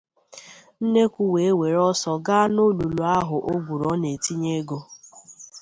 Nnekwu wee were ọsọ gaa n’olulu ahụ o gwuru ọ na-etinye ego